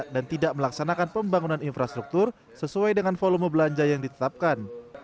dan tidak melaksanakan pembangunan infrastruktur sesuai dengan volume belanja yang ditetapkan